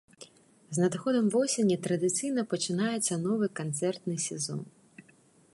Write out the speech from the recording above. З надыходам восені традыцыйна пачынаецца новы канцэртны сезон.